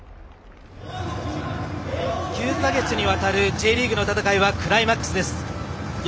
９か月にわたる長いＪリーグの戦いのクライマックスです。